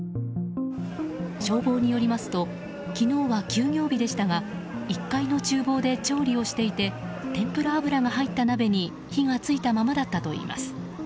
消防によりますと昨日は休業日でしたが１階の厨房で調理をしていて天ぷら油が入った鍋に火が付いたままだったといいます。